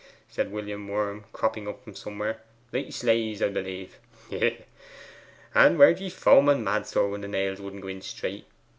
said William Worm, cropping up from somewhere. 'Like slaves, 'a b'lieve hee, hee! And weren't ye foaming mad, sir, when the nails wouldn't go straight?